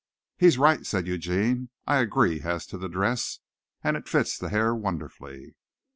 "He's right," said Eugene. "I agree as to the dress, and it fits the hair wonderfully."